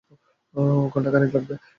ঘণ্টা খানেক লাগবে।